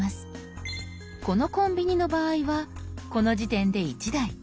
このコンビニの場合はこの時点で１台。